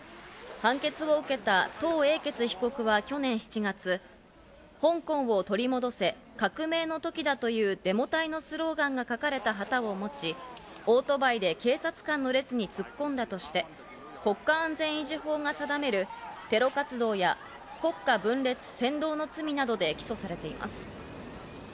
判決を受けたトウ・エイケツ被告は去年７月、「香港を取り戻せ、革命の時だ」というデモ隊のスローガンが書かれた旗を持ち、オートバイで警察官の列に突っ込んだとして、国家安全維持法が定めるテロ活動や国家分裂扇動の罪などで起訴されています。